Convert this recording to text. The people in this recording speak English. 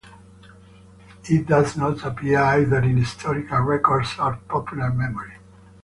It does not appear either in historical records or popular memory.